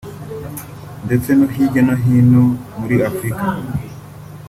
ndetse no hirya no hino muri Afurika